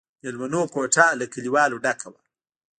مېلمانه کوټه له کليوالو ډکه وه.